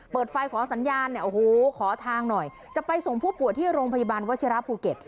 เปิดไฟขอสัญญาณขอทางหน่อยจะไปส่งผู้ป่วยที่โรงพยาบาลวัชราบภูเก็ต